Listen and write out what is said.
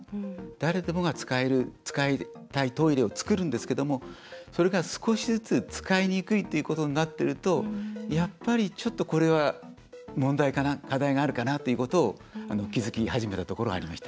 誰でもが使える、使いたいトイレをつくるんですけどもそれが少しずつ使いにくいということになってるとちょっと、これは問題かな課題があるかなということを気付き始めたところがありました。